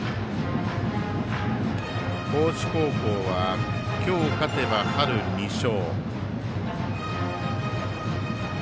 高知高校は、今日、勝てば春２勝。